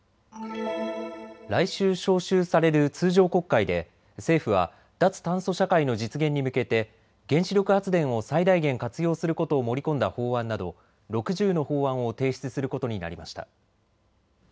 来週召集される通常国会で政府は脱炭素社会の実現に向けて原子力発電を最大限活用することを盛り込んだ法案など６０の法案を提出することになりました。